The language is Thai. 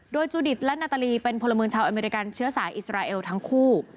โดยจูดิตและนาตาลีเป็นพลเมืองชาวอเมริกันเชื้อสายอิสราเอลทั้งคู่